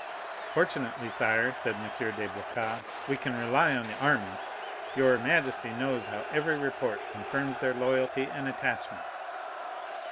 "Fortunately, sire," said M. de Blacas, "we can rely on the army; your majesty knows how every report confirms their loyalty and attachment."